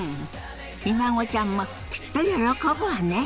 ひ孫ちゃんもきっと喜ぶわね。